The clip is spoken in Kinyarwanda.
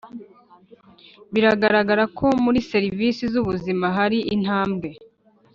Biragaragara ko muri serivisi z’ ubuzima hari intambwe.